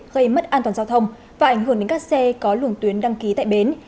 gây mất an toàn giao thông và ảnh hưởng đến các xe có luồng tuyến đăng ký tại bến